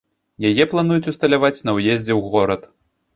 Яе плануюць усталяваць на ўездзе ў горад.